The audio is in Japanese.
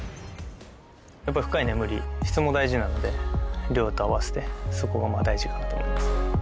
やはり深い眠り、質も大事なので、量と合わせて、そこは大事かなと思います。